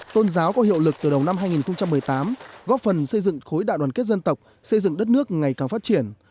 tôn giáo có hiệu lực từ đầu năm hai nghìn một mươi tám góp phần xây dựng khối đại đoàn kết dân tộc xây dựng đất nước ngày càng phát triển